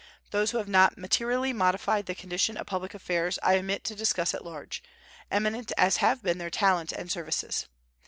Those who have not materially modified the condition of public affairs I omit to discuss at large, eminent as have been their talents and services.